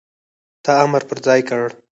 تا امر پر ځای کړ،